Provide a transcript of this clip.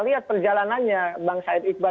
lihat perjalanannya bang said iqbal